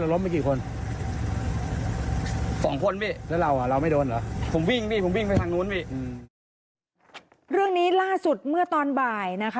เรื่องนี้ล่าสุดเมื่อตอนบ่ายนะคะ